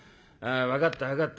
分かった分かった。